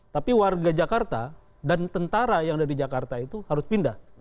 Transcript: tapi warga jakarta dan tentara yang dari jakarta itu harus pindah